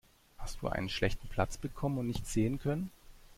Hast du einen schlechten Platz bekommen und nichts sehen können?